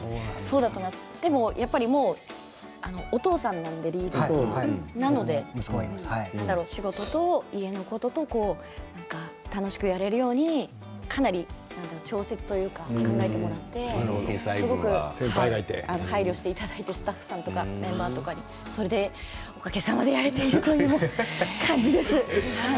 でもやっぱりリーダーもお父さんなので仕事と家のことと楽しくやれるようにかなり調節というか考えてもらって配慮していただいてスタッフさんとかにも。それでおかげさまでやれている感じです。